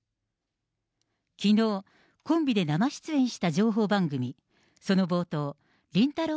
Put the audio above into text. きのう、コンビで生出演した情報番組、その冒頭、りんたろー。